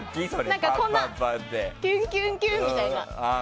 何か、こんなキュンキュンみたいな。